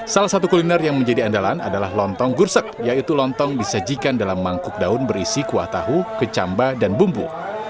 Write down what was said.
salah satu kuliner yang menjadi andalan adalah lontong gursak yaitu lontong disajikan dalam mangkuk daun berisi kuah tahu kecamba dan bumbu